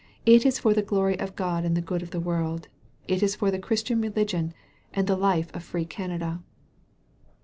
It is for the glory of God and the good of the world. It is for the Christian religion and the life of free Canada."